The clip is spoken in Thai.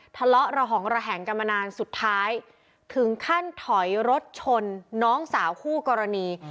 ทะเลาะระหองระแหงกันมานานสุดท้ายถึงขั้นถอยรถชนน้องสาวคู่กรณี